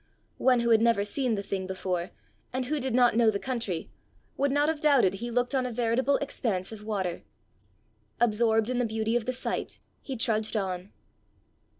One who had never seen the thing before, and who did not know the country, would not have doubted he looked on a veritable expanse of water. Absorbed in the beauty of the sight he trudged on.